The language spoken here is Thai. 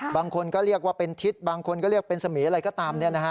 บางคนก็เรียกว่าเป็นทิศบางคนก็เรียกเป็นสมีอะไรก็ตาม